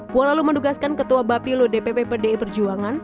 pol lalu mendugaskan ketua bapilu dpp pdi perjuangan